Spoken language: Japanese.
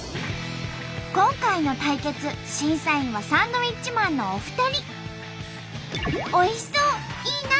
今回の対決審査員はサンドウィッチマンのお二人。